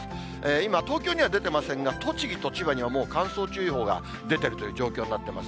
今、東京には出てませんが、栃木と千葉には、もう乾燥注意報が出ているという状況になっています。